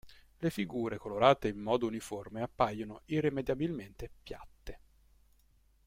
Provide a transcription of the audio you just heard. Le figure colorate in modo uniforme appaiono irrimediabilmente "piatte".